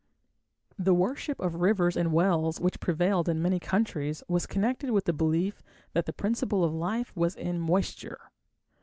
The worship of rivers and wells which prevailed in many countries was connected with the belief that the principle of life was in moisture.